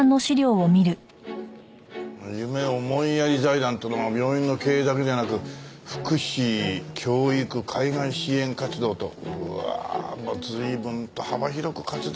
夢思いやり財団っていうのは病院の経営だけじゃなく福祉教育海外支援活動とうわあ随分と幅広く活動してるなあ。